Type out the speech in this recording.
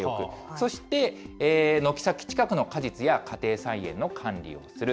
そして、軒先近くの果実や家庭菜園の管理をする。